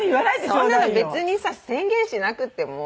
そんなの別にさ宣言しなくても。